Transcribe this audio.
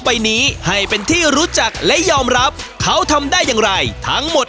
ใบนี้ให้เป็นที่รู้จักและยอมรับเขาทำได้อย่างไรทั้งหมด